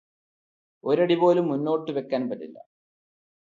ഒരടിപോലും മുന്നോട്ടുവെക്കാൻ പറ്റില്ല.